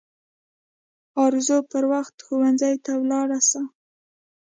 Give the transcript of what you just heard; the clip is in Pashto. ارزو پر وخت ښوونځي ته ولاړه سه